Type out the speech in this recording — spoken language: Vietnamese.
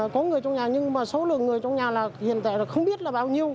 có người trong nhà nhưng mà số lượng người trong nhà là hiện tại là không biết là bao nhiêu